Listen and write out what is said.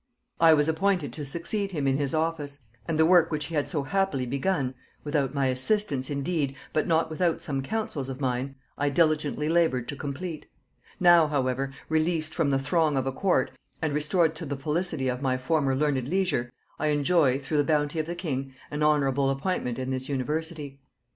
"I was appointed to succeed him in his office; and the work which he had so happily begun, without my assistance indeed, but not without some counsels of mine, I diligently labored to complete. Now, however, released from the throng of a court, and restored to the felicity of my former learned leisure, I enjoy, through the bounty of the king, an honorable appointment in this university.